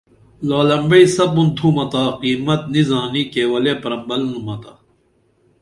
لال امبعی سپُن تُھمہ قیمت نی زانی کیولے پرمبلنومتا